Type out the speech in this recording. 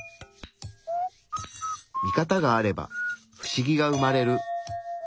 ミカタがあればフシギが生まれる。